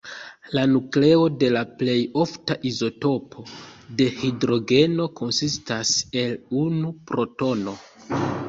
La nukleo de la plej ofta izotopo de hidrogeno konsistas el unu protono.